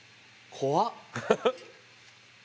怖っ！